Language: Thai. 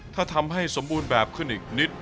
ถ้าทำให้สมบูรณ์แบบขึ้นอีกนิด